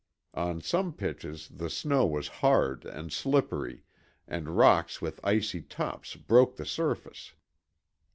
On some pitches the snow was hard and slippery, and rocks with icy tops broke the surface.